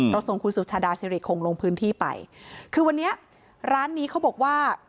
ส่งคุณสุชาดาสิริคงลงพื้นที่ไปคือวันนี้ร้านนี้เขาบอกว่า